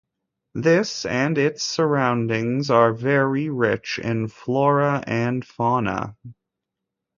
This and its surroundings are very rich in flora and fauna.